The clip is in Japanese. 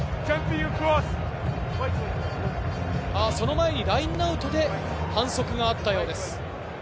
その前にラインアウトで反則があったようです。